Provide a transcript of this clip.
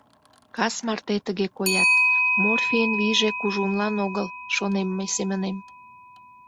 «Кас марте тыге коят, морфийын вийже кужунлан огыл», — шонем мый семынем.